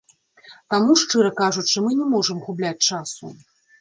Таму, шчыра кажучы, мы не можам губляць часу.